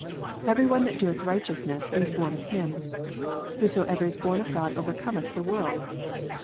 "Every one that doeth righteousness is born of Him." "Whatsoever is born of God overcometh the world."